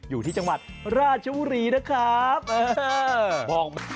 อยู่ที่จังหวัดราชบุรีนะครับ